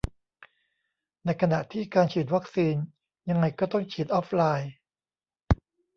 ในขณะที่การฉีดวัคซีน ยังไงก็ต้องฉีดออฟไลน์